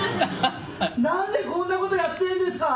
何でこんなことやってんですか！